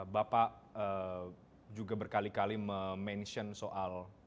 bapak juga berkali kali mention soal